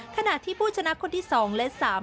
ขณะที่ผู้ชนะคนที่สองและสาม